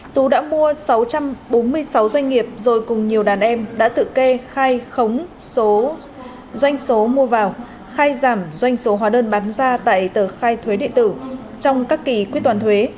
tú đã mua sáu trăm bốn mươi sáu doanh nghiệp rồi cùng nhiều đàn em đã tự kê khai khống doanh số mua vào khai giảm doanh số hóa đơn bán ra tại tờ khai thuế địa tử trong các kỳ quyết toàn thuế